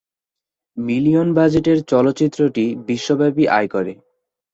Million বাজেটের চলচ্চিত্রটি বিশ্বব্যাপী আয় করে।